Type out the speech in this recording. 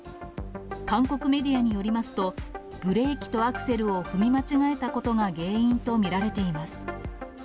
韓国メディアによりますと、ブレーキとアクセルを踏み間違えたことが原因と見られています。